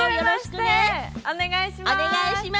お願いします。